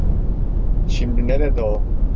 Şimdi nerede o?